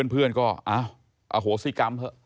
เพื่อนก็อโหสิกรรม